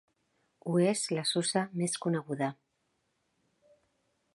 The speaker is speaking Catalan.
Ho és la sosa més coneguda.